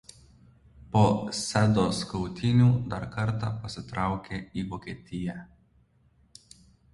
Po Sedos kautynių dar kartą pasitraukė į Vokietiją.